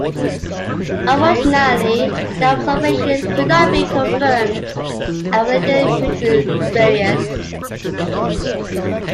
Unfortunately, their observations could not be confirmed and were later proved to be spurious.